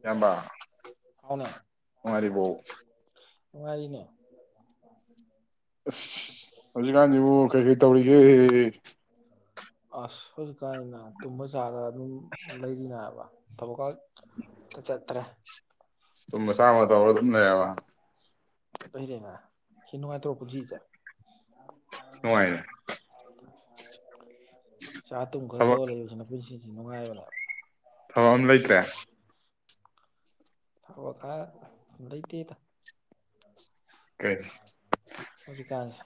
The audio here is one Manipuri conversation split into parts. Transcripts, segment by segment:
ꯏꯌꯥꯝꯕ ꯍꯥꯎꯅꯦ ꯅꯨꯉꯥꯏꯔꯤꯕꯣ ꯅꯨꯉꯥꯏꯔꯤꯅ‌ꯦ ꯑꯁ ꯍꯧꯖꯤꯛꯀꯥꯟꯁꯤꯕꯨ ꯀꯩ ꯀꯩ ꯇꯧꯔꯤ [unintelligible] ꯑꯁ ꯍꯩꯖꯤꯛꯀꯥꯟ ꯅꯥ ꯇꯨꯕ ꯆꯥꯔ ꯑꯗꯨꯝ ꯂꯩꯔꯤ ꯅꯥꯕ ꯊꯕꯛꯀꯥ ꯆꯠꯇ꯭ꯔꯦ ꯇꯨꯝꯕ ꯆꯥꯕꯒ ꯇꯧꯔ ꯑꯗꯨꯝ ꯂꯩꯔꯕ ꯅꯨꯉꯥꯏꯖꯩꯅ ꯁꯤ ꯅꯨꯉꯥꯏꯇ꯭ꯔ‌ꯣ ꯄꯨꯟꯁꯤꯁ‌ꯦ ꯅꯨꯡꯥꯏꯌ‌ꯦ [unintelligible] ꯆꯥꯔ ꯇꯨꯝ ꯈꯔ ꯊꯕꯛ ꯇꯧꯔ ꯂꯩꯕꯁꯤꯅ ꯄꯨꯟꯁꯤ ꯁꯤ ꯅꯨꯡꯉꯥꯏꯕꯗ ꯊꯕꯛ ꯑꯃ ꯂꯩꯇ꯭ꯔꯦ ꯊꯕꯛ ꯍꯥꯏꯔ ꯂꯩꯇꯦꯗ ꯀꯩ ꯍꯧꯖꯤꯛꯀꯥꯟꯁꯦ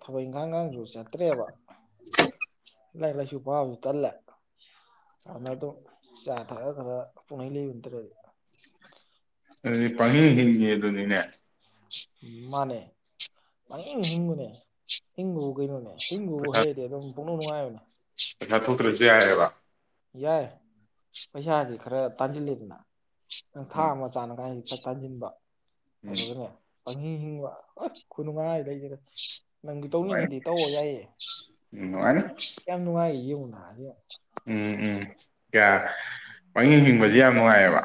ꯊꯕꯛ ꯏꯪꯈꯥꯡꯒꯥꯗꯨ ꯆꯠꯇ꯭ꯔꯦꯕ [inaudible] ꯂꯥꯏꯔꯤꯛ ꯂꯥꯏꯁꯨ ꯄꯥꯕꯁꯨ ꯇꯜꯂꯦ ꯑꯗꯨꯅ ꯑꯗꯨꯝ ꯆꯥ ꯊꯛꯑ ꯈꯔ ꯄꯨꯡꯍꯩ ꯂꯩꯕ ꯅꯠꯇ꯭ꯔꯗꯤ ꯑꯗꯨꯗꯤ ꯄꯈꯤꯡ ꯍꯤꯡꯉꯤꯌꯦꯗꯨꯅꯤꯅꯦ꯫ ꯎꯝ ꯃꯥꯅꯦ ꯄꯍꯤꯡ ꯍꯤꯡꯕꯅꯦ ꯍꯤꯡꯕꯕꯨ ꯀꯩꯅꯣꯅꯦ ꯍꯤꯡꯕꯕꯨ ꯍꯩꯔꯗꯤ ꯑꯗꯨꯝ ꯄꯅꯨꯡ ꯅꯨꯡꯉꯥꯏꯕꯅꯦ꯫ ꯑꯁꯥ ꯊꯣꯛꯇ꯭ꯔꯁꯨ ꯌꯥꯏꯑꯦꯕ ꯌꯥꯏ ꯄꯩꯁꯥꯗꯤ ꯈꯔ ꯇꯥꯟꯁꯤꯜꯂꯤꯗꯅ ꯅꯪ ꯊꯥ ꯎꯝ ꯑꯃ ꯆꯅꯥꯉꯥꯏ ꯁꯠ ꯇꯟꯖꯤꯟꯕꯥ ꯎꯝ ꯑꯗꯨꯙꯥꯅꯦ ꯄꯪꯍꯤꯡ ꯍꯤꯡꯕ ꯈꯨꯅꯨꯡꯉꯥꯏꯗꯤ ꯂꯩꯇꯔ꯭ꯦ ꯅꯪꯁꯨ ꯇꯧꯅꯤꯡꯉꯗꯤ ꯇꯧꯑꯣ ꯌꯥꯏꯌꯦ ꯅꯨꯡꯉꯥꯏꯅꯤ ꯎꯝ ꯅꯨꯡꯉꯥꯏꯅꯤ ꯀꯥꯌꯥꯝ ꯅꯨꯡꯉꯥꯏꯌꯦ ꯌꯦꯡꯉꯨ [inaudible] ꯎꯝ ꯎꯝ ꯀꯌꯥ ꯄꯪꯍꯤꯡꯕꯁꯤ ꯌꯥꯝ ꯅꯨꯡꯉꯥꯏꯌꯦꯕ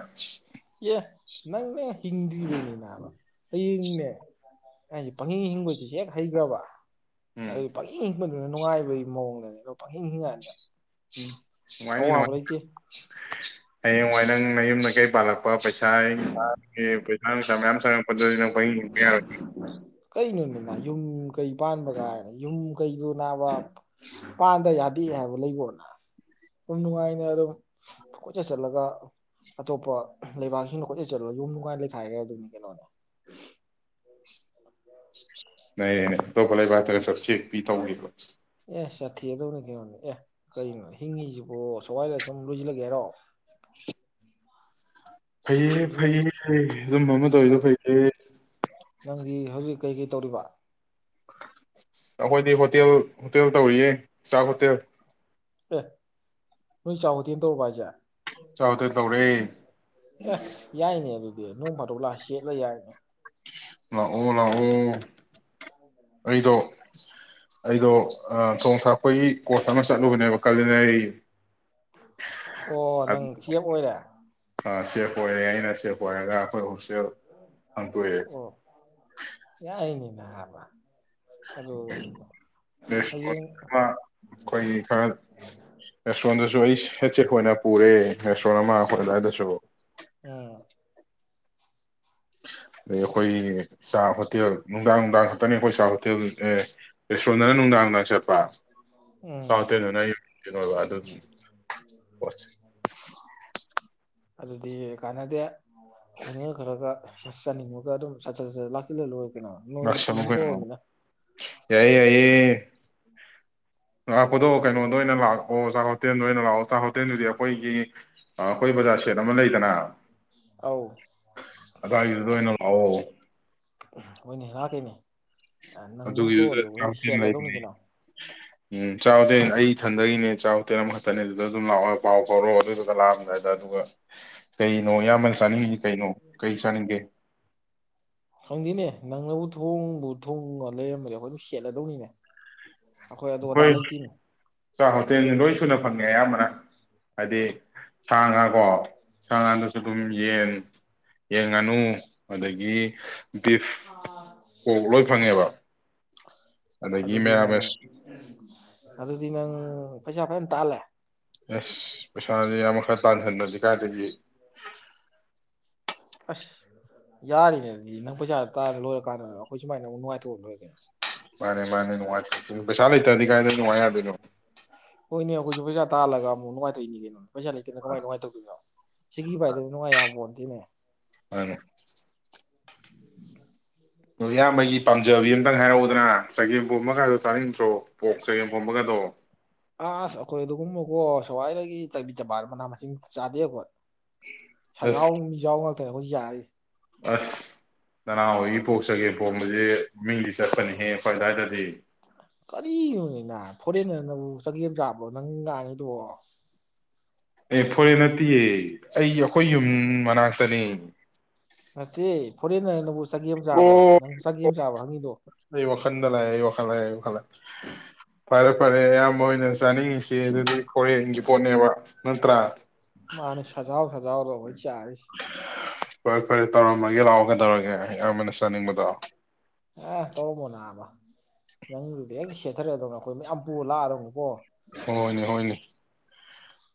ꯑꯦ ꯅꯪꯅꯦ ꯍꯤꯡꯗ꯭ꯔꯤꯔꯤꯕꯅꯤꯅꯥ ꯍꯌꯦꯡꯅꯦ ꯑꯩꯁꯦ ꯄꯪꯍꯤꯡ ꯍꯤꯡꯕꯁ ꯍꯦꯛ ꯍꯩꯈ꯭ꯔꯕ ꯎꯝ ꯎꯝ [inaudible] ꯗꯨꯅ ꯅꯨꯡꯉꯥꯏꯕꯒꯤ ꯃꯑꯣꯡꯗꯅꯦꯕ ꯄꯪꯍꯤꯡ ꯍꯤꯡꯉꯛꯑꯅꯤ ꯎꯝ ꯅꯨꯡꯉꯥꯏꯅꯤ ꯑꯋꯥꯕ ꯅꯨꯡꯉꯥꯏꯅꯤ ꯂꯩꯇꯦ ꯍꯌꯦꯡꯋꯥꯏ ꯅꯪ ꯃꯌꯨꯝ ꯅꯀꯩ ꯄꯥꯜꯂꯛꯄ ꯄꯩꯁꯥ ꯅꯨꯡꯁꯥ ꯄꯩꯁꯥ ꯅꯨꯡꯁꯥ ꯃꯌꯥꯝ ꯆꯪꯉꯛꯄꯗꯗꯤ ꯅꯪ ꯄꯛꯍꯤꯡ ꯍꯤꯡꯕ ꯌꯥꯔꯣꯏ ꯀꯩ ꯅꯣ ꯌꯨꯝ ꯀꯩ ꯄꯥꯟꯕ ꯀꯥꯏꯅ ꯌꯨꯝ ꯀꯩꯗꯨ ꯅꯥꯕ ꯄꯥꯟꯗ ꯌꯥꯗꯦ ꯍꯥꯏꯕ ꯂꯩꯕꯣꯅ ꯑꯗꯨꯨꯝ ꯅꯨꯡꯉꯥꯏꯅ ꯑꯗꯨꯝ ꯈꯣꯆꯠ ꯆꯠꯂꯒ ꯑꯇꯣꯞꯄ ꯂꯩꯕꯥꯛꯁꯤꯡꯅ ꯈꯣꯆꯠ ꯆꯠꯂꯒ ꯌꯨꯝ ꯅꯨꯡꯉꯥꯏꯅ ꯂꯩꯈꯥꯏꯒ ꯑꯗꯨꯝ ꯀꯩꯅꯣꯅꯦ ꯅꯩꯔꯦꯅꯦ ꯑꯇꯣꯄ ꯂꯩꯕꯥꯛꯇꯒ ꯆꯠꯊꯦꯛꯄꯤ ꯇꯧꯔꯤꯕ ꯑꯦ ꯆꯠꯊꯣꯛꯑꯗꯧꯅꯤ ꯀꯩꯅꯣꯅꯦ ꯑꯦ ꯀꯩꯅꯣ ꯍꯤꯡꯉꯤꯁꯤꯕꯣ ꯁꯋꯥꯏꯗ ꯁꯨꯝ ꯂꯣꯏꯁꯤꯜꯂꯒꯦ ꯍꯥꯏꯔꯣ ꯐꯩꯌꯦ ꯑꯗꯨ ꯅꯪ ꯐꯩꯌꯦ ꯑꯗꯨꯝ ꯑꯃ ꯇꯧꯋꯤꯗꯣ ꯅꯪ ꯐꯩꯌꯦ ꯅꯪꯗꯤ ꯍꯧꯖꯤꯛ ꯀꯩꯀꯩ ꯇꯧꯔꯤꯕ ꯑꯩꯈꯣꯏꯗꯤ ꯍꯣꯇꯦꯜ ꯍꯣꯇꯦꯜ ꯇꯧꯔꯤꯌꯦ ꯆꯥꯛ ꯍꯣꯇꯦꯜ ꯑꯦ ꯅꯣꯏ ꯆꯥꯛ ꯍꯣꯇꯦꯟ ꯇꯧꯔꯕ ꯍꯥꯏꯁꯦ ꯑ ꯆꯥꯛ ꯍꯣꯇꯦꯜ ꯇꯧꯔꯦ ꯌꯥꯏꯅꯦ ꯑꯗꯨ ꯅꯣꯡ ꯐꯥꯗꯣꯛ ꯂꯥꯛꯑ ꯁꯦꯠꯂ ꯌꯥꯏꯅꯦ ꯂꯥꯛꯑꯣ ꯂꯥꯛꯑꯣ ꯑꯩꯗꯣ [inaudible] ꯑꯩꯗꯣ ꯊꯣꯡ ꯊꯥꯛꯄꯒꯤ ꯀꯣꯔꯁ ꯑꯃ ꯆꯠꯂꯨꯕꯅꯦꯕ ꯀꯥꯂ [inaudible] ꯑꯣ ꯅꯪ ꯆꯦꯞ ꯑꯣꯏꯔꯦ ꯑ ꯁꯦꯐ ꯑꯣꯏꯔꯦ ꯑꯩꯅ ꯁꯦꯐ ꯑꯣꯏꯔꯒ ꯑꯈꯣꯏ ꯍꯣꯁꯇꯦꯜ ꯍꯪꯇꯣꯛꯑꯦ ꯥꯅꯥꯕ ꯗꯥꯏꯀꯣꯟ ꯍꯌꯦꯡ ꯃ ꯈꯣꯏꯒꯤ ꯈꯔ ꯔꯦꯁꯣꯝꯇꯨꯁꯨ ꯑꯩꯁ ꯍꯦꯠ ꯁꯦꯞꯈꯣꯏꯅ ꯄꯨꯔꯦ ꯔꯦꯁꯣꯡ ꯑꯃ ꯈꯣꯏ ꯑꯗꯥꯏ ꯗꯁꯨ ꯎꯝ ꯗꯩ ꯑꯈꯣꯏ ꯆꯥꯛ ꯍꯣꯇꯦꯜ ꯅꯨꯡꯗꯥꯡ ꯅꯨꯡꯗꯥꯡ ꯈꯛꯇꯅꯤ ꯑꯈꯣꯏ ꯆꯥꯛ ꯍꯣꯇꯦꯜ ꯑ ꯔꯦꯁꯇꯨꯔꯦꯟꯗꯅ ꯅꯨꯡꯗꯥꯡ ꯅꯨꯡꯗꯥꯡ ꯆꯠꯄ ꯎꯝ ꯆꯥꯛ ꯍꯣꯇꯦꯟꯗꯅ ꯑꯩ ꯀꯩꯅꯣꯕ ꯑꯗꯨꯒꯤ ꯄꯣꯠꯁ ꯑꯗꯨꯗꯤ ꯀꯥꯟꯅꯗꯦ ꯈꯣꯏꯅꯒ ꯈꯔꯒ ꯆꯠ ꯆꯅꯤꯡꯉꯒ ꯑꯗꯨꯝ ꯁꯆꯠ ꯆꯠ ꯂꯥꯛꯁꯤꯜꯂ ꯂꯣꯏ ꯂꯥꯛꯁꯟꯂꯨ ꯀꯅꯣ ꯌꯥꯏꯌꯦ ꯌꯥꯏꯌꯦ ꯂꯥꯛꯄꯗꯣ ꯀꯩꯅꯣꯗ ꯑꯣꯏꯅ ꯂꯥꯛꯑꯣ ꯆꯥꯛ ꯍꯣꯇꯦꯜꯗ ꯑꯣꯏꯅ ꯂꯥꯛꯑꯣ ꯆꯥꯛ ꯍꯣꯇꯦꯜꯗꯨꯗꯤ ꯑꯈꯣꯏꯒꯤ ꯑ ꯑꯈꯣꯏ ꯕꯖꯥꯔ ꯁꯦꯠ ꯑꯃ ꯂꯩꯗꯅ ꯑꯧ ꯑꯗꯥꯏꯒꯤꯗꯨꯗ ꯑꯣꯏꯅ ꯂꯥꯛꯑꯣ ꯍꯣꯏꯅꯦ ꯂꯥꯛꯀꯦꯅꯦ ꯑꯗꯨꯒꯤꯗꯨꯗ ꯆꯥꯛ ꯍꯣꯇꯦꯟ ꯂꯩꯔꯤꯌꯦ ꯎꯝ ꯆꯥꯛ ꯍꯣꯇꯦꯟ ꯑꯩ ꯏꯊꯟꯗꯒꯤꯅꯦ ꯆꯥꯛ ꯍꯇꯦꯟ ꯑꯃꯈꯛꯇꯅꯦ ꯑꯗꯨꯗ ꯑꯗꯨꯝ ꯂꯥꯛꯑꯣ ꯄꯥꯎ ꯐꯥꯎꯔꯣ ꯑꯗꯨꯗꯨꯒ ꯂꯥꯛꯑꯝꯗꯥꯏꯗ ꯑꯗꯨꯒ ꯀꯩꯅꯣ ꯏꯌꯥꯝꯕꯅ ꯆꯥꯅꯤꯡꯉꯤ ꯀꯩꯅꯣ ꯀꯩ ꯆꯥꯅꯤꯡꯒꯦ ꯈꯪꯗꯦꯅꯦ ꯅꯪꯅꯕꯨ ꯊꯣꯡꯕꯨ ꯊꯣꯡꯉ ꯂꯩꯔꯝꯕꯅꯦ ꯑꯩꯈꯣꯏ ꯑꯗꯨꯝ ꯈꯦꯠꯂꯗꯧꯅꯤꯅꯦ ꯑꯈꯣꯏ ꯆꯥꯛ ꯍꯣꯇꯦꯜꯅꯤ ꯂꯣꯏ ꯁꯨꯅ ꯐꯪꯉꯦ ꯑꯌꯥꯝꯕꯅ ꯍꯥꯏꯗꯤ ꯁꯥ ꯉꯥ ꯀꯣ ꯁꯥ ꯉꯥꯗꯨꯁꯨ ꯑꯗꯨꯝ ꯌꯦꯟ ꯌꯦꯟ ꯉꯥꯅꯨ ꯑꯗꯒꯤ ꯗꯤꯐ ꯄꯣꯛ ꯂꯣꯏ ꯐꯪꯉꯦꯕ ꯑꯗꯒꯤ ꯑꯗꯨꯗꯤ ꯃꯦꯔ ꯅꯪ ꯃꯦꯁ ꯑꯗꯨꯗꯤ ꯎꯝ ꯄꯩꯁꯥ ꯐꯖꯅ ꯇꯥꯜꯂꯦ ꯑꯁ ꯄꯩꯁꯥꯖꯦ ꯏꯌꯥꯝꯕ ꯈꯔ ꯇꯥꯟꯍꯟꯗꯗꯤ ꯆꯗꯒꯤ ꯑꯁ ꯌꯥꯔꯤꯅꯦꯗꯤ ꯅꯪ ꯄꯩꯖꯥ ꯇꯥꯟ ꯂꯣꯏꯔꯀꯥꯟꯗ ꯑꯈꯣꯏ ꯁꯨꯃꯥꯏꯅ ꯑꯃꯨꯛ ꯅꯨꯡꯉꯥꯏꯇꯣꯛꯑꯒ ꯂꯣꯏꯔꯦ ꯀꯩꯅꯣ ꯃꯥꯅꯦ ꯃꯥꯅꯦ ꯅꯨꯡꯉꯥꯏ ꯎꯝ ꯄꯩꯁꯥ ꯂꯩꯇꯗꯤ ꯀꯥꯏꯗ ꯅꯨꯡꯉꯥꯏ ꯌꯥꯗꯣꯏꯅꯣ ꯍꯣꯏꯅꯦ ꯑꯈꯣꯏꯁꯨ ꯄꯩꯁꯥ ꯇꯜꯂꯒ ꯑꯃꯨꯛ ꯅꯨꯡꯉꯥꯏꯊꯣꯛꯏꯅꯤ ꯀꯩꯅꯣ ꯄꯩꯁꯥ ꯂꯩꯇꯦꯅ ꯀꯃꯥꯏꯅ ꯀꯃꯥꯏ ꯇꯧꯗꯣꯏꯅꯣ ꯁꯤꯀꯤ ꯄꯥꯏꯗꯅ ꯅꯨꯡꯉꯥꯏ ꯌꯥꯄꯣꯟꯗꯦꯅꯦ ꯃꯥꯅꯦ ꯏꯌꯥꯝꯕꯒꯤ ꯄꯥꯝꯖꯕꯤ ꯑꯝꯇꯪ ꯍꯥꯏꯔꯛꯎꯗꯅ ꯆꯒꯦꯝꯄꯣꯝꯕꯒꯗꯣ ꯆꯥꯅꯤꯡꯗ꯭ꯔꯣ ꯄꯣꯛ ꯆꯒꯦꯝꯄꯣꯝꯕꯒꯗꯣ ꯑꯁ ꯑꯩꯈꯣꯏ ꯑꯗꯨꯒꯨꯝꯕꯨꯀꯣ ꯁꯋꯥꯏꯗꯒꯤ ꯆꯕꯤꯠ ꯆꯕꯥꯠ ꯃꯅꯥ ꯃꯁꯤꯡ ꯆꯥꯗꯦ ꯑꯩꯈꯣꯏ ꯑꯁ ꯁꯖꯥꯎ ꯃꯤꯖꯥꯎ ꯇꯥꯅꯤ ꯑꯈꫭꯏ ꯆꯥꯔꯤꯁꯤ ꯑꯁ ꯅꯅꯥꯎ ꯍꯣꯏꯒꯤ ꯄꯣꯛ ꯆꯒꯦꯝ ꯄꯣꯝꯕꯁꯦ ꯃꯤꯡꯗꯤ ꯆꯠꯄꯅꯤꯍꯦ ꯑꯩꯈꯣꯏ ꯑꯗꯋꯥꯏꯗꯗꯤ ꯀꯔꯤꯅꯣꯅꯦ ꯅꯕ ꯐꯣꯔꯦꯟꯅꯔꯅꯕꯨ ꯆꯒꯦꯝ ꯆꯥꯕ꯭ꯔꯣ ꯅꯪ ꯉꯥꯡꯉꯤꯗꯨꯕꯨ ꯑꯦ ꯐꯣꯔꯦꯟ ꯅꯠꯇꯤꯌꯦ ꯑꯩ ꯑꯩꯈꯣꯏ ꯌꯨꯝ ꯃꯅꯥꯛꯇꯅꯦ ꯅꯠꯇꯦ ꯐꯣꯔꯦꯟꯅꯔꯅꯕꯨ ꯆꯒꯦꯝ ꯆꯥꯕ꯭ꯔꯣ ꯑꯣ ꯅꯪ ꯆꯒꯦꯝ ꯆꯥꯕ ꯍꯪꯉꯤꯗꯣ ꯑꯩ ꯋꯥꯈꯟꯗ ꯂꯥꯛ ꯑꯦ ꯑꯩ ꯋꯥꯈꯜ ꯂꯥꯛꯑꯦ ꯑꯩ ꯋꯥꯈꯜ ꯂꯥꯛꯑꯦ ꯐꯔꯦ ꯐꯔꯦ ꯏꯌꯥꯝꯕ ꯍꯣꯏꯅ ꯆꯥꯅꯤꯡꯉꯤꯁꯤ ꯑꯗꯨꯗꯤ ꯀꯣꯔꯤꯌꯟꯒꯤ [unintelligible] ꯅꯠꯇ꯭ꯔ ꯃꯥꯅꯤ ꯁꯖꯥꯎ ꯁꯖꯥꯎꯗꯣ [unintelligible] ꯆꯥꯔꯁꯤ ꯈꯣꯏꯗ ꯇꯧꯔꯝꯃꯒꯦ ꯂꯥꯛꯑꯣ ꯀꯩꯗꯧꯔꯒꯦ ꯏꯌꯥꯝꯕꯅ ꯆꯥꯅꯤꯡꯕꯗꯣ ꯑ ꯇꯧꯔꯝꯃꯣ ꯅꯥꯕ ꯅꯪꯗꯨꯗ ꯍꯦꯛ [unintelligible] ꯑꯩꯈꯣꯏ ꯃꯌꯥꯝ ꯄꯨꯔ ꯂꯥꯛꯑꯗꯧꯅꯤꯀꯣ ꯍꯣꯏꯅꯦ ꯍꯣꯏꯅꯦ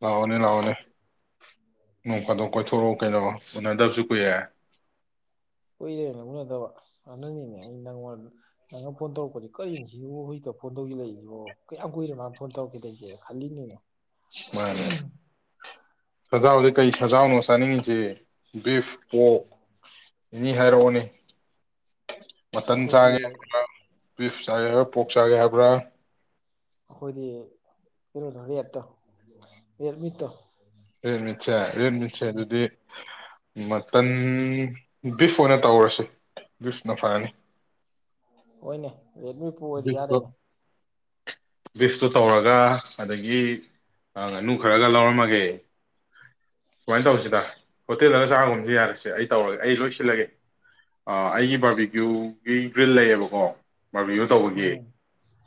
ꯂꯥꯛꯑꯣꯅꯦ ꯂꯥꯛꯑꯣꯅꯦ ꯅꯣꯡ ꯐꯥꯗꯣꯛ ꯀꯣꯏꯊꯣꯔꯛꯑꯣ ꯀꯩꯅꯣ ꯎꯅꯗꯕꯁꯨ ꯀꯨꯏꯔꯦ ꯀꯨꯏꯔꯦꯅꯦ ꯎꯅꯗꯕ ꯑꯗꯨꯅꯤꯅꯦ ꯑꯩ ꯅꯪꯉꯣꯟ ꯅꯪꯅ ꯐꯣꯟ ꯇꯧꯔꯛꯄꯅꯦ ꯀꯔꯤꯅꯣꯅꯦ ꯍꯧꯖꯤꯛꯇ ꯐꯣꯟ ꯇꯧꯁꯤꯜꯂꯛꯏꯁꯤꯕꯣ ꯀꯌꯥꯝ ꯀꯨꯏꯔꯦ ꯃꯥꯅ ꯐꯣꯟ ꯇꯧꯔꯛꯈꯤꯗ꯭ꯔꯤꯖꯦ ꯈꯜꯂꯤꯝꯅꯤꯅꯦ ꯃꯥꯅꯦ ꯁꯖꯥꯎꯗꯤ ꯀꯩ ꯁꯖꯥꯎꯅꯣ ꯆꯥꯅꯤꯡꯉꯤꯁꯦ ꯕꯤꯐ ꯄꯣꯛ ꯑꯦꯅꯤ ꯍꯥꯏꯔꯛꯑꯣꯅꯦ ꯑꯁ ꯃꯇꯟ ꯑꯩꯈꯣꯏꯗꯤ ꯆꯥꯒꯦ ꯍꯥꯏꯕꯔ ꯕꯤꯞ ꯆꯥꯒꯦ ꯍꯥꯏꯕꯔ ꯄꯣꯛ ꯆꯥꯒꯦ ꯍꯥꯏꯕ꯭ꯔꯥ ꯑꯩꯈꯣꯏꯗꯤ ꯀꯩꯅꯣꯗꯣ ꯔꯦꯠꯇꯣ ꯔꯦꯠ ꯃꯤꯠꯇꯣ ꯔꯦꯠ ꯃꯤꯠꯁꯦ ꯔꯦꯠ ꯃꯤꯠꯁꯦ ꯑꯗꯨꯗꯤ ꯃꯇꯟ ꯕꯤꯐ ꯑꯣꯏꯅ ꯇꯧꯔꯁꯤ ꯕꯤꯐꯅ ꯐꯔꯅꯤ ꯍꯣꯏꯅꯦ ꯔꯦꯠ ꯃꯤꯠꯄꯨ ꯑꯣꯏꯔꯗꯤ ꯌꯥꯔꯦꯕꯣ ꯕꯤ꯭ꯐꯇꯨ ꯇꯧꯔꯒ ꯑꯗꯒꯤ ꯉꯥꯅꯨ ꯈꯔꯒ ꯂꯧꯔꯝꯃꯒꯦ ꯁꯨꯃꯥꯏꯅ ꯇꯧꯁꯤꯗ ꯍꯣꯇꯦꯜꯗꯒ ꯆꯥꯔꯒꯨꯝꯁꯤ ꯌꯥꯔꯁꯦ ꯑꯩ ꯇꯧꯔꯒꯦ ꯑꯩ ꯂꯣꯏ ꯁꯤꯜꯂꯒꯦ ꯑ ꯑꯩꯒꯤ ꯕꯥꯔꯕꯤꯀ꯭ꯌꯨꯒꯤ ꯍꯋꯤꯜ ꯂꯩꯌꯦꯕꯀꯣ ꯕꯥꯔꯕꯤꯀ꯭ꯌꯨ ꯎꯝ ꯇꯧꯕꯒꯤ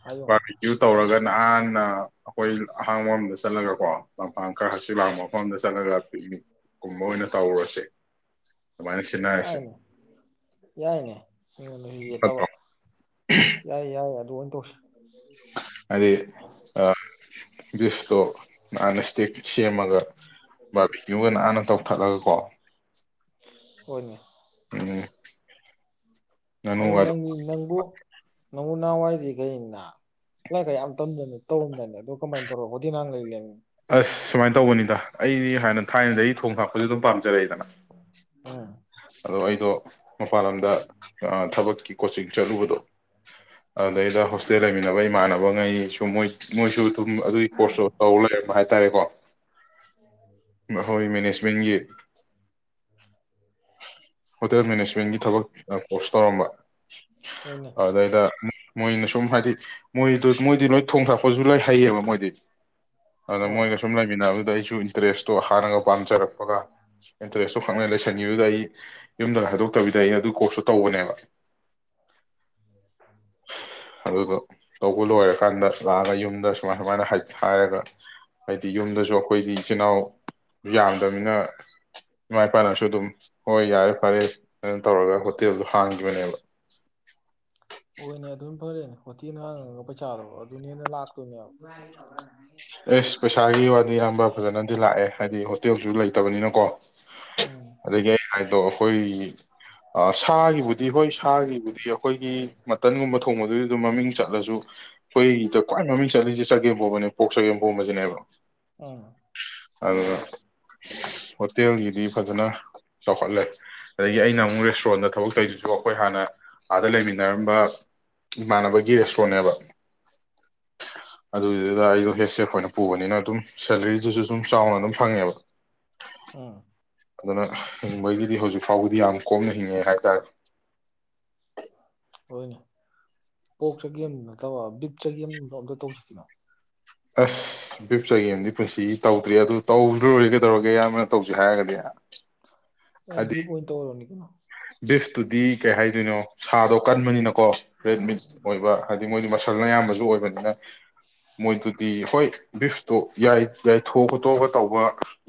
ꯍꯥꯏꯌꯨ ꯕꯥꯔꯕꯤꯀ꯭ꯌꯨ ꯇꯧꯔꯒ ꯅꯥꯟꯅ ꯑꯩꯈꯣꯏ ꯑꯍꯥꯡꯕꯝꯗ ꯆꯠꯂꯒ ꯀꯣ ꯂꯝꯐꯥꯡ ꯈꯔ ꯍꯛꯆꯤꯠ ꯂꯥꯡꯕ ꯃꯐꯝ ꯑꯝꯗ ꯆꯠꯂꯒ ꯄꯤꯛꯅꯤꯛ ꯀꯨꯝꯕ ꯑꯣꯏꯅ ꯇꯧꯔꯨꯔꯁꯦ ꯑꯗꯨꯃꯥꯏꯅ ꯁꯤꯟꯅꯔꯁꯦ ꯌꯥꯏꯅꯦ ꯌꯥꯏꯅꯦ ꯃꯤꯉꯣꯟꯗꯖꯨ ꯌꯦꯠꯇꯕ ꯐꯠꯇ꯭ꯔꯣ ꯌꯥꯏꯌꯦ ꯌꯥꯏ ꯑꯗꯨ ꯑꯣꯏ ꯇꯧꯁꯤ ꯑꯩ ꯑ ꯕꯤꯐꯇꯣ ꯃꯥ ꯉꯁꯤꯗꯩ ꯁꯦꯝꯃꯒ ꯕꯥꯔꯕ‌ꯦꯀ꯭ꯌꯨꯒ ꯅꯥꯟꯅ ꯇꯧꯊꯠꯂꯒ ꯀꯣ [unintelligible] [inaudible] ꯍ‌ꯣꯏꯅ‌‌ꯦ ꯎꯝ ꯑꯗꯨ ꯉꯥꯅꯨꯒ ꯑꯗꯨꯝ ꯅꯪꯗꯤ ꯅꯪꯕꯨ ꯅꯪꯕꯨ ꯅꯍꯥꯟꯋꯥꯏꯗꯤ ꯀꯩꯟ ꯅꯥ ꯂꯥꯏꯔꯤꯛꯀ ꯌꯥꯝ ꯇꯝꯗꯅ ꯇꯧꯔꯝꯗꯥꯏꯅ‌ꯦ ꯑꯗꯨ ꯀꯃꯥꯏꯅ ꯇꯧꯔ ꯍꯣꯇ‌ꯦꯜ ꯃꯥꯟꯂꯩ ꯂꯩꯔꯝꯃꯤꯝ ꯑꯁ ꯁꯨꯃꯥꯏꯅ ꯇꯧꯕꯅꯤꯗ ꯑꯩꯗꯤ ꯍꯥꯟꯅ ꯊꯥꯏꯅꯗꯒꯤ ꯊꯣꯡ ꯊꯥꯛꯄꯁꯨ ꯑꯗꯨꯝ ꯄꯥꯝꯖꯔꯛꯑꯦꯗꯅ ꯎꯝ ꯑꯗꯣ ꯑꯩꯗꯣ ꯃꯄꯥꯟ ꯂꯝꯗ ꯑꯥ ꯊꯕꯛ ꯀꯤ ꯀꯣꯆꯤꯡ ꯆꯠꯂꯨꯕꯗꯣ ꯑꯗꯨꯗꯩꯗ ꯍꯣꯁꯇꯦꯜ ꯂꯩꯃꯤꯟꯅꯕ ꯏꯃꯥꯟꯅꯕꯉꯩ ꯁꯨ ꯃꯣꯏ ꯃꯣꯏꯁꯨ ꯊꯨꯝ ꯑꯗꯨꯒꯤ ꯀꯣꯔꯁꯇ ꯇꯧ ꯂꯩ ꯍꯥꯏꯇꯥꯔꯦꯀꯣ ꯑꯩꯈꯣꯏ ꯃꯦꯅꯦꯖꯃꯦꯟꯒꯤ ꯍꯣꯇꯦꯜ ꯃꯦꯅꯦꯖꯃꯦꯟꯒꯤ ꯊꯕꯛ ꯀꯣꯔꯁ ꯇꯧꯔꯝꯕ ꯍꯣꯏꯅꯦ ꯑꯗꯩꯗ ꯃꯣꯏꯅ ꯁꯨꯝ ꯍꯥꯏꯗꯤ ꯃꯣꯏꯗꯨ ꯃꯣꯏꯗꯤ ꯂꯣꯏ ꯊꯣꯡ ꯊꯥꯛꯄꯁꯨ ꯂꯣꯏ ꯍꯩꯌꯦꯕ ꯃꯣꯏꯗꯤ ꯑꯗꯣ ꯍꯣꯏ ꯃꯣꯏꯒ ꯁꯨꯝ ꯂꯩꯃꯤꯟꯅꯕꯗꯨꯗ ꯑꯩ ꯁꯨ ꯏꯟꯇꯔꯦꯁꯇꯣ ꯍꯥꯟꯅꯒ ꯄꯥꯝꯖꯔꯛꯄꯒ ꯏꯟꯇꯔꯦꯁꯇꯣ ꯈꯪꯂꯩ ꯂꯩꯁꯤꯟꯒꯤꯕꯗꯨꯗ ꯑꯩ ꯌꯨꯝꯗ ꯍꯥꯏꯗꯣꯛꯇꯕꯤꯗ ꯑꯩ ꯑꯗꯨ ꯀꯣꯔꯁꯁꯨ ꯇꯧꯕꯅꯦꯕ ꯑꯗꯨꯒ ꯇꯧꯕ ꯂꯣꯏꯔꯀꯥꯟꯗ ꯂꯥꯛꯑꯒ ꯌꯨꯝꯗ ꯁꯨꯃꯥꯏ ꯁꯨꯃꯥꯏꯅ ꯍꯥꯏꯔꯒ ꯍꯥꯏꯗꯤ ꯌꯨꯝꯗꯁꯨ ꯑꯩꯈꯣꯏꯗꯤ ꯏꯆꯤꯜ ꯏꯅꯥꯎ ꯌꯥꯝꯗꯕꯅꯤꯅ ꯏꯃꯥ ꯏꯄꯥꯅꯁꯨ ꯑꯗꯨꯝ ꯍꯣꯏ ꯌꯥꯔꯦ ꯐꯔꯦ ꯑꯗꯨꯅ ꯇꯧꯔꯒ ꯍꯣꯇꯦꯜꯗꯣ ꯍꯥꯡꯒꯤꯕꯅꯦꯕ ꯍꯣꯏꯅꯦ ꯑꯗꯨꯝ ꯐꯔꯦꯅꯦ ꯍꯣꯊꯤꯅ ꯍꯥꯡꯉꯒ ꯄꯩꯁꯥꯗꯣ ꯑꯗꯨꯅꯍ‌ꯦꯅ ꯂꯥꯛꯇꯣꯏꯅꯦꯕ ꯑꯦ ꯄꯁꯥ ꯋꯥꯗꯤ ꯌꯥꯝꯕꯥ ꯐꯖꯅꯗꯤ ꯂꯥꯛꯑꯦ ꯍꯥꯏꯗꯤ ꯍꯣꯇꯦꯜꯁꯨ ꯂꯩꯇꯕꯅꯤꯅꯀꯣ ꯎꯝ ꯑꯗꯨꯗꯒꯤ ꯍꯥꯏꯥꯏꯗꯣ ꯑꯩꯈꯣꯏ ꯁꯥꯒꯤ ꯕꯨꯗꯤ ꯍꯣꯏ ꯁꯥꯒꯤꯕꯨꯗꯤ ꯑꯩꯈꯣꯏꯒꯤ ꯃꯇꯟꯒꯨꯝꯕ ꯊꯣꯡꯕꯗꯨꯒꯤ ꯑꯗꯨꯝ ꯃꯃꯤꯡ ꯆꯠꯂꯁꯨ ꯑꯩꯈꯣꯏꯗ ꯈ꯭ꯋꯥꯏ ꯃꯃꯤꯡ ꯆꯠꯂꯤꯁꯦ ꯆꯒꯦꯝ ꯐꯣꯕꯅꯦ ꯄꯣꯛꯆꯒꯦꯄꯣꯝꯕꯖꯤꯅꯦꯕ ꯎꯝ ꯑ ꯍꯣꯠꯇꯦꯜꯒꯗꯤ ꯐꯖꯅ ꯆꯥꯎꯈꯠꯂꯦ ꯑꯗꯒꯤ ꯑꯩꯅ ꯑꯃꯨꯛ ꯔꯦꯁꯇꯨꯔꯦꯟꯗ ꯊꯕꯛ ꯇꯧꯗꯨꯁꯨ ꯑꯩꯈꯣꯏ ꯍꯥꯟꯅ ꯑꯥꯗ ꯂꯩꯃꯤꯟꯅꯔꯝꯕ ꯏꯃꯥꯟꯅꯕꯒꯤ ꯔꯦꯁꯇꯨꯔꯦꯟꯅꯦꯕ ꯑꯗꯨꯗꯨꯗ ꯑꯩ ꯒꯦꯁꯁꯦ ꯑꯩꯈꯣꯏꯅ ꯄꯨꯕꯅꯤꯅ ꯑꯗꯨꯝ ꯁꯦꯂꯔꯤꯗꯨꯁꯨ ꯑꯗꯨꯝ ꯆꯥꯎꯅ ꯑꯗꯨꯝ ꯐꯪꯉꯦꯕ ꯎꯝ ꯑꯗꯨꯅ ꯍꯤꯡꯕꯒꯤꯗꯤ ꯍꯧꯖꯤꯛ ꯐꯥꯎꯕꯗꯤ ꯌꯥꯝ ꯀꯣꯝꯅ ꯍꯤꯡꯉꯦ ꯍꯥꯏꯇꯥꯔꯦ ꯍꯟ ꯄꯣꯛꯆꯒꯦꯝ ꯅꯇꯕ ꯕꯤꯞ ꯆꯒꯦꯝꯗꯣ ꯑꯝꯇ ꯇꯧꯁꯤ ꯑꯁ ꯕꯤꯞ ꯆꯒꯦꯝꯗꯤ ꯄꯨꯟꯁꯤ ꯇꯧꯗ꯭ꯔꯤ ꯑꯗꯨ ꯇꯧꯗ꯭ꯔꯨꯔ ꯂꯣꯏꯔꯦ ꯀꯩꯗꯧꯔꯒꯦ ꯑꯌꯥꯝꯕꯅ ꯇꯧꯁꯤ ꯍꯥꯏꯔꯒꯗꯤ ꯑꯦ ꯍꯥꯏꯗꯤ ꯕꯤꯑꯣꯏꯟ ꯇꯧꯔꯗꯣꯅꯤ [inaudible] ꯕꯤꯐꯇꯨꯗꯤ ꯀꯩ ꯍꯥꯏꯗꯣꯏꯅꯣ ꯁꯥꯗꯣ ꯀꯟꯕꯅꯤꯅ ꯀꯣ ꯔꯦꯗ ꯃꯤꯠ ꯑꯣꯏꯕ ꯍꯥꯏꯗꯤ ꯃꯣꯏꯗꯤ ꯃꯁꯜꯅ ꯑꯌꯥꯝꯕ ꯑꯗꯨ ꯑꯣꯏꯕꯅꯤꯅ ꯃꯣꯏꯗꯨꯗꯤ ꯍꯣꯏ ꯕꯤꯐꯇꯣ ꯌꯥꯏ ꯊꯣꯛ ꯈꯣꯇꯣꯛꯑꯒ ꯇꯧꯕ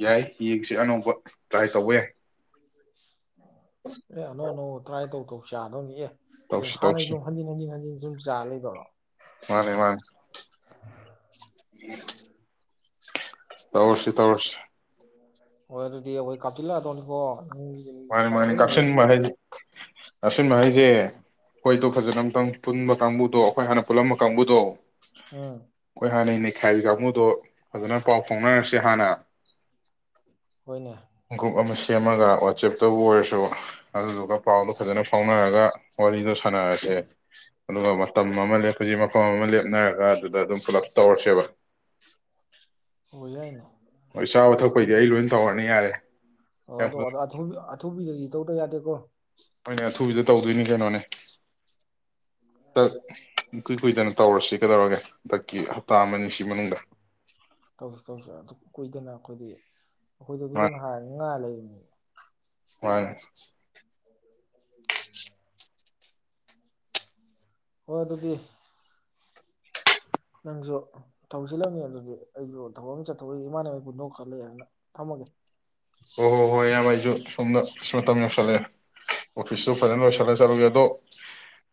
ꯌꯥꯏ ꯌꯦꯡꯁꯤ ꯑꯅꯧꯕ ꯇ꯭ꯔꯥꯏ ꯇꯧꯕ ꯌꯥꯏ ꯑꯦ ꯑꯅꯧ ꯑꯅꯧ ꯇ꯭ꯔꯥꯏ ꯇꯧ ꯒꯧ ꯆꯥꯗꯣꯅꯤꯑꯦ ꯇꯧꯁꯤ ꯍꯥꯟꯅꯩ ꯇꯧꯁꯤ ꯁꯨꯝ ꯍꯟꯖꯤꯟ ꯍꯟꯖꯤꯟ ꯍꯟꯖꯤꯟ ꯁꯨꯝ ꯆꯥ ꯂꯩꯗꯧꯔꯣ ꯃꯥꯅꯦ ꯃꯥꯅꯦ ꯇꯧꯔꯁꯤ ꯇꯧꯔꯁꯤ ꯍꯣꯏ ꯑꯗꯨꯗꯤ ꯑꯩꯈꯣꯏ ꯀꯥꯞꯆꯤꯜꯂꯛꯑꯗꯧꯅꯤꯀꫭ ꯃꯥꯅꯤ ꯃꯥꯅꯤ [unintelligible] ꯑꯆꯤꯟꯕ ꯍꯥꯏꯁꯦ ꯑꯩꯈꯣꯏꯗꯣ ꯐꯖꯅ ꯑꯃꯨꯇꯪ ꯄꯨꯟꯕ ꯀꯥꯡꯕꯨꯗꯣ ꯑꯩꯈꯣꯏ ꯍꯥꯟꯅ ꯄꯨꯜꯂꯝꯕ ꯀꯥꯡꯕꯨꯗꯣ ꯎꯝ ꯑꯣꯢ ꯍꯥ ꯅ ꯅꯩꯈꯥꯏꯕꯤ ꯀꯥꯡꯕꯨꯗꯣ ꯑꯗꯣ ꯐꯖꯅ ꯄꯥꯎ ꯐꯥꯎꯅꯔꯁꯤ ꯍꯥꯟꯅ ꯍꯣꯏꯅꯦ ꯈꯣꯡꯀꯨꯞ ꯑꯃꯁ ꯁꯦꯝꯃꯒ ꯋꯥꯠꯆꯦꯞ ꯇꯕꯨ ꯑꯣꯏꯔꯁꯨ ꯑꯗꯨꯗꯨꯒ ꯄꯥꯎꯗꯣ ꯐꯖꯅ ꯐꯥꯎꯅꯔꯒ ꯋꯥꯔꯤꯗꯣ ꯁꯥꯟꯅꯔꯁꯦ ꯑꯗꯨꯒ ꯃꯇꯝ ꯑꯃ ꯂꯦꯞꯄꯁꯤ ꯃꯐꯝ ꯑꯃ ꯂꯦꯞꯅꯔꯒ ꯑꯗꯨꯗ ꯑꯗꯨꯝ ꯄꯨꯂꯞ ꯇꯧꯔꯁꯦꯕ ꯑꯣꯏ ꯌꯥꯏꯅ ꯍꯣꯏ ꯆꯥꯕ ꯊꯛꯄꯩꯗꯤ ꯑꯩ ꯂꯣꯏ ꯇꯧꯔꯅꯤ ꯌꯥꯔꯦ ꯑ ꯌꯥꯝ ꯑꯗꯣ ꯑꯊꯨꯕꯤ ꯑ ꯑꯊꯨꯕꯤꯗꯗꯤ ꯇꯧꯗ ꯌꯥꯗꯦꯀꯣ ꯍꯣꯏꯅꯦ ꯑꯊꯨꯕꯤꯗ ꯇꯧꯗꯣꯏꯅꯤ ꯀꯩꯅꯣꯅꯦ ꯍꯟꯗꯛ ꯏꯀꯨꯏ ꯀꯨꯏꯗꯅ ꯇꯧꯔꯁꯤ ꯀꯩꯗꯧꯔꯒꯦ ꯍꯟꯗꯛꯀꯤ ꯍꯞꯇꯥ ꯑꯃꯁꯤ ꯃꯅꯨꯡꯗ ꯇꯧꯁꯤ ꯇꯧꯁꯤ ꯑꯗꯨ ꯀꯨꯏꯗꯅ ꯑꯩꯈꯣꯏꯗꯤ ꯑꯩꯈꯣꯏꯁꯨ ꯑꯗꯨꯗꯥ ꯍꯥꯏꯔꯥꯗꯤ ꯉꯥꯏ ꯂꯩꯕꯅꯤ [unintelligible] ꯋꯥ [inaudible] ꯍꯣꯏ ꯑꯗꯨꯗꯤ ꯅꯪꯁꯨ ꯊꯥꯕꯛ ꯆꯤꯜꯂꯝꯉꯤ ꯑꯗꯨꯗꯤ ꯑꯩꯁꯨ ꯊꯕꯛ ꯑꯃ ꯆꯠꯊꯣꯛꯏ ꯏꯃꯥꯟꯅꯕ ꯄꯨꯟꯗꯧ ꯈ ꯂꯩꯌꯦꯅ ꯊꯝꯃꯒꯦ ꯍꯣꯏ ꯍꯣꯏ ꯍꯣꯏ ꯏꯕ ꯑꯩꯁꯨ ꯁꯣꯝꯗ ꯃꯇꯝ ꯌꯧꯁꯤꯜꯂꯛꯑꯦ ꯑꯣꯐꯤꯁꯇꯨ ꯐꯖꯅ ꯂꯣꯏꯁꯤꯜꯂꯒ ꯆꯠꯂꯨꯒꯦ ꯑꯗꯣ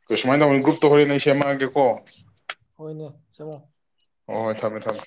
ꯀꯩꯁꯨꯃꯥꯏꯅ ꯇꯧꯅꯤ ꯒ꯭ꯔꯨꯞꯇꯧ ꯍꯣꯔꯦ ꯅ ꯑꯩ ꯁꯦꯝꯃꯛꯑꯒꯦꯀꯣ ꯍꯣꯏꯅꯦ ꯁꯦꯝꯃꯣ ꯍ ꯍꯣꯏ ꯊꯝꯃꯦ ꯊꯝꯃꯦ